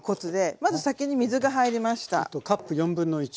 まず先に水が入りました。